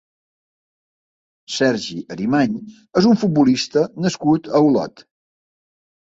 Sergi Arimany és un futbolista nascut a Olot.